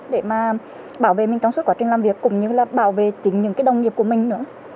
để mà bảo vệ mình trong suốt quá trình làm việc cũng như là bảo vệ chính những cái đồng nghiệp của mình nữa